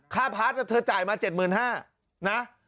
ค่าพลาสปอร์ตน่ะเธอจ่ายมา๗๕๐๐๐บาทนะ